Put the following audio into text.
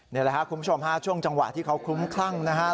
นี่แหละครับคุณผู้ชมฮะช่วงจังหวะที่เขาคลุ้มคลั่งนะครับ